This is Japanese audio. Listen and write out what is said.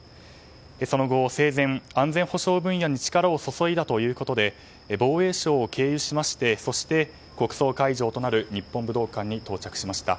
その後、生前安全保障分野に力を注いだということで防衛省を経由しましてそして国葬会場となる日本武道館に到着しました。